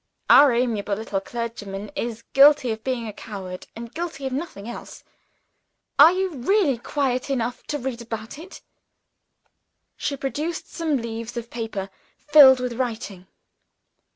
Our amiable little clergyman is guilty of being a coward and guilty of nothing else. Are you really quiet enough to read about it?" She produced some leaves of paper filled with writing.